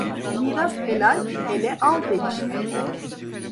Miras helal, hele al demişler.